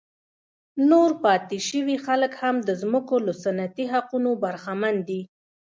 نور پاتې شوي خلک هم د ځمکو له سنتي حقونو برخمن دي.